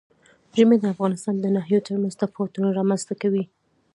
ژمی د افغانستان د ناحیو ترمنځ تفاوتونه رامنځ ته کوي.